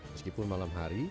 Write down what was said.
meskipun malam hari